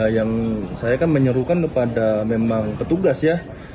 yang saya kan menyuruhkan kepada memang petugas ya